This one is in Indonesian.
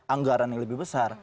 anggaran yang lebih besar